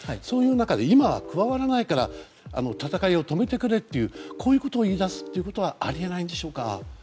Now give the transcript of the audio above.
そういう中で今、加わらないから戦いを止めてくれというこういうことを言い出すことはあり得ないんでしょうか。